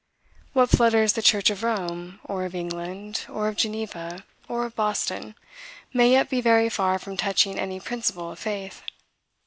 What flutters the church of Rome, or of England, or of Geneva, or of Boston, may yet be very far from touching any principle of faith.